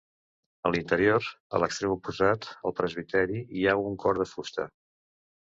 A l'interior, a l'extrem oposat al presbiteri hi ha un cor de fusta.